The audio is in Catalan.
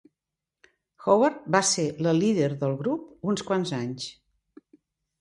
Howard va ser la líder del grup uns quants anys.